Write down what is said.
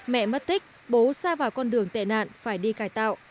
mẹ mất tích bố xa vào con đường tệ nạn phải đi cải tạo